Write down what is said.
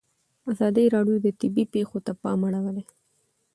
ازادي راډیو د طبیعي پېښې ته پام اړولی.